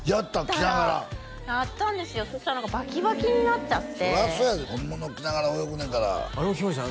着ながらやったんですよそしたらバキバキになっちゃってそらそうやで本物を着ながら泳ぐねんからあれも聞きました